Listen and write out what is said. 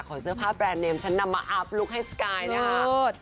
เสื้อผ้าแบรนด์เนมฉันนำมาอัพลุคให้สกายนะครับ